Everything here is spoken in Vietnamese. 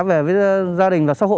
về với gia đình và xã hội